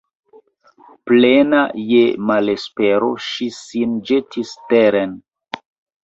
Plena je malespero, ŝi sin ĵetis teren.